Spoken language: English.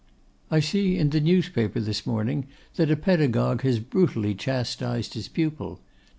I see in the newspaper this morning that a pedagogue has brutally chastised his pupil.